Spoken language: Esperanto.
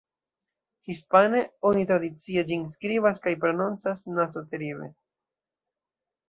Hispane, oni tradicie ĝin skribas kaj prononcas "Nazo-Teribe".